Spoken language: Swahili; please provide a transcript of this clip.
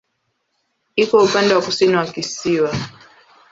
Iko upande wa kusini wa kisiwa.